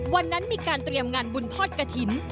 วันนั้นมีการเตรียมงานบุญทอดกระถิ่น